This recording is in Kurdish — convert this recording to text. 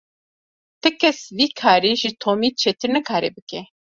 Ti kes vî karî ji Tomî çêtir nikare bike.